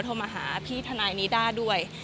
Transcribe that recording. โทรมาหาพี่ทนายนิด้าด้วย